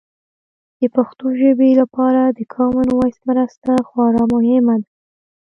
د پښتو ژبې لپاره د کامن وایس مرسته خورا مهمه ده.